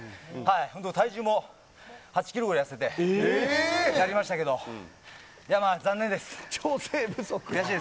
体重も８キロぐらい痩せて、やりましたけど調整不足。